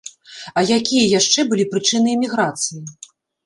А якія яшчэ былі прычыны эміграцыі?